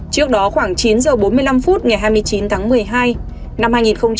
trước đó khoảng chín h bốn mươi năm phút ngày hai mươi chín tháng một mươi hai năm hai nghìn một mươi ba